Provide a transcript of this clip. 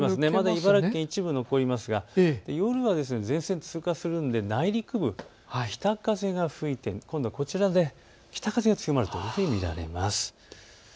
茨城県、一部残りますが夜は前線通過するので内陸部は北風が吹いて今度はこちらで北風が強まると見られます。